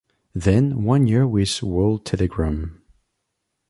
Then one year with "World Telegram".